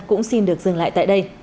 cũng xin được dừng lại tại đây